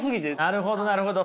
なるほどなるほど。